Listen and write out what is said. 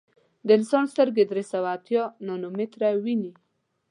د انسان سترګې درې سوه اتیا نانومیټره ویني.